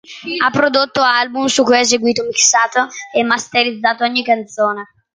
Ha prodotto album su cui ha eseguito, mixato e masterizzato ogni canzone.